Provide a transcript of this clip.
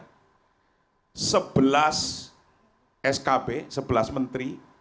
karena sebelas skb sebelas menteri